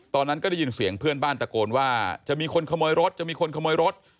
ตอนนั้นก็ได้ยินเสียงเพื่อนบ้านตะโกนว่าจะมีคนขโมยรถจะมีคนขโมยรถ